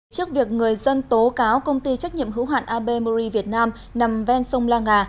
trước việc người dân tố cáo công ty trách nhiệm hữu hạn abmri việt nam nằm ven sông la nga